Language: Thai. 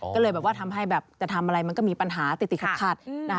ก็เลยทำให้จะทำอะไรมันก็มีปัญหาติดติดขัด